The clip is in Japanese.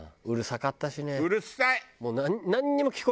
うるさい！